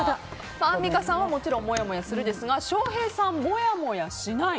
アンミカさんはもちろんもやもやするですが翔平さんは、もやもやしない。